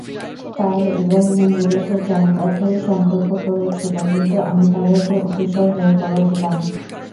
তারা ইবরাহীমের বিরুদ্ধে চক্রান্তের সংকল্প করেছিল, কিন্তু আমি তাদেরকে অতিশয় হেয় করে দিলাম।